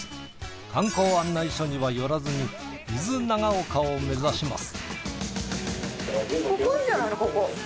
観光案内所には寄らずに伊豆長岡を目指します。